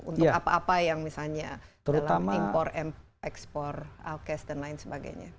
untuk apa apa yang misalnya dalam impor ekspor alkes dan lain sebagainya